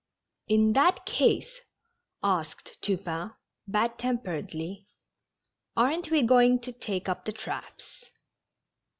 " In that case," asked Tupain, bad temperedly, "aren't we going to take up the traps